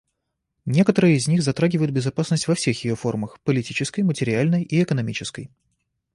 Некоторые из них затрагивают безопасность во всех ее формах — политической, материальной и экономической.